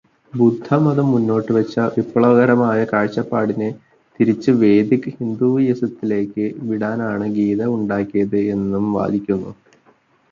ബുദ്ധമതം മുന്നോട്ട് വച്ച വിപ്ലവകരമായ കാഴ്ചപാടിനെ തിരിച്ചു വേദിക് ഹിന്ദൂയിസത്തിലേക്ക് വിടാനാണു ഗീത ഉണ്ടായത് എന്നും വാദിക്കുന്നു.